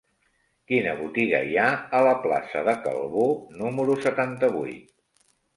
Quina botiga hi ha a la plaça de Calvó número setanta-vuit?